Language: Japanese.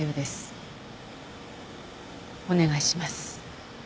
お願いします。